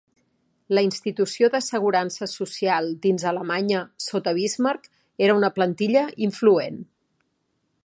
La institució d'assegurança social dins Alemanya sota Bismarck era una plantilla influent.